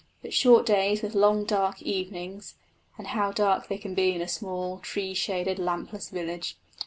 But short days with long, dark evenings and how dark they can be in a small, tree shaded, lampless village!